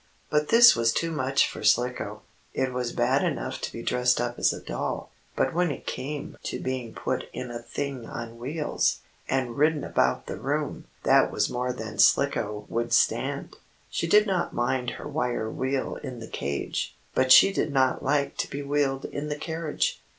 But this was too much for Slicko. It was bad enough to be dressed up as a doll, but when it came to being put in a thing on wheels, and ridden about the room, that was more than Slicko would stand. She did not mind her wire wheel in the cage, but she did not like to be wheeled in the carriage.